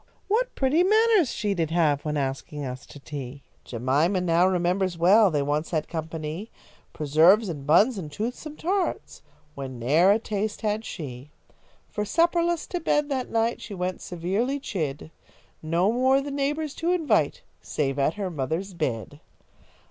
What pretty manners she did have When asking us to tea." Jemima now remembers well They once had company, Preserves and buns and toothsome tarts When ne'er a taste had she. For, supperless, to bed that night, She went, severely chid; No more the neighbours to invite, Save at her mother's bid.